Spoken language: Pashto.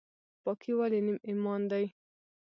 پاکي ولې نیم ایمان دی؟